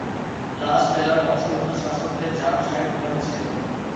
লাস বেলার বংশগত শাসকদের জাম সাহেব উপাধি ছিল।